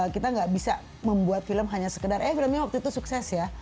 kita nggak bisa membuat film hanya sekedar eh filmnya waktu itu sukses ya